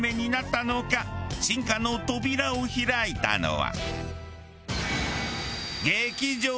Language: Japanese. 進化の扉を開いたのは。